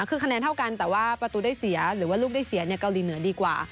คือคะแนนเท่ากันแต่ว่าประตูได้เสียหรือว่าลูกได้เสียเกาหลีเหนือดีกว่า